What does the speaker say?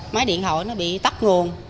máy điện thoại nó bị tắt nguồn